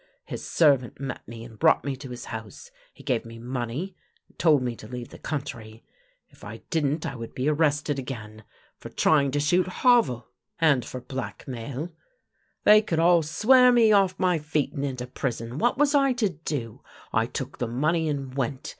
His servant met me and brought me to his house. He gave me money and told me to leave the country. If I didn't I would be arrested again — for trying to shoot Havel, and for 6 82 THE LANE THAT HAD NO TURNING blackmail. They could all swear me off my feet and into prison — what was I to do? I took the money and went.